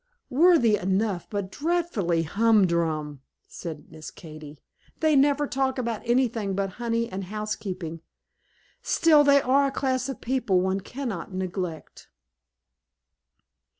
"Worthy enough, but dreadfully hum drum" said Miss Katy. "They never talk about anything but honey and housekeeping; still they are a class of people one cannot neglect."